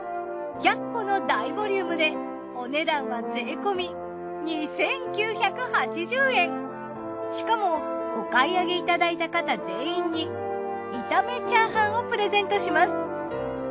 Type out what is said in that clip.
１００個の大ボリュームでお値段はしかもお買い上げいただいた方全員に炒めチャーハンをプレゼントします。